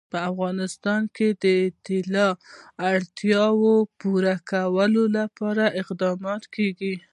په افغانستان کې د طلا د اړتیاوو پوره کولو لپاره اقدامات کېږي.